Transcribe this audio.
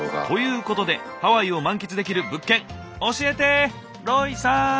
ということでハワイを満喫できる物件教えてロイさん！